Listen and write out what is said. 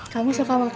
kamu suka makan apa